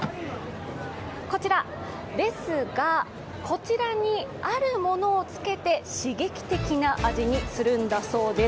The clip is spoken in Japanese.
こちらですが、こちらにあるものをつけて刺激的な味にするんだそうです。